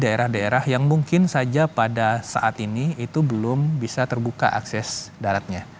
daerah daerah yang mungkin saja pada saat ini itu belum bisa terbuka akses daratnya